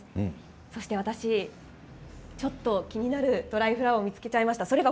そして私、ちょっと気になるドライフラワーを見つけちゃいました。